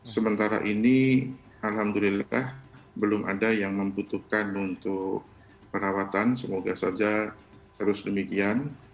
sementara ini alhamdulillah belum ada yang membutuhkan untuk perawatan semoga saja terus demikian